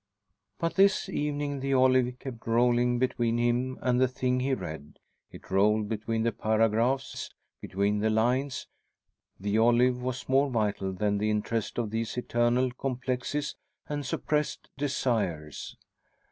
But this evening the olive kept rolling between him and the thing he read; it rolled between the paragraphs, between the lines; the olive was more vital than the interest of these eternal "complexes" and "suppressed desires."